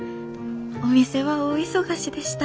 お店は大忙しでした。